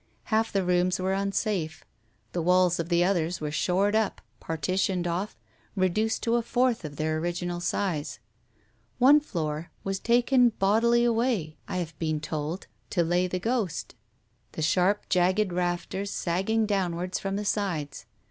Half the rooms were unsafe, the walls of the others were shored up, partitioned off, reduced to a fourth of their original size. One floor was taken bodily away — I have been told, to lay the ghost. The sharp, jagged rafters sagged down wards from the sides.